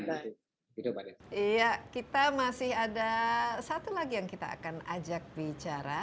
iya kita masih ada satu lagi yang kita akan ajak bicara